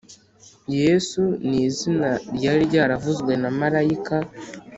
Yesu ni izina ryari ryaravuzwe na marayika